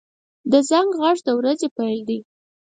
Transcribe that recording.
• د زنګ غږ د ورځې پیل دی.